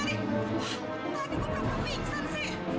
tadi gue pernah pingsan sih